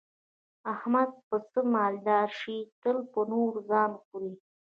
احمد به په څه مالدار شي، تل په نورو ځان خوري.